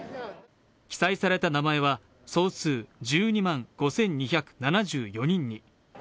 記載された名前は総数１２万５２７４人に。